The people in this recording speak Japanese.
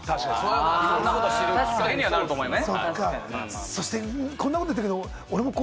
いろんなことを知るきっかけにはなると思います。